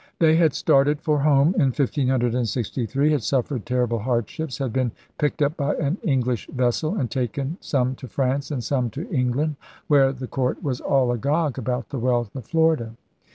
They had started for home in 1563, had suffered terrible hardships, had been picked up by an English vessel, and taken, some to France and some to England, where the court was all agog about the wealth of Florida.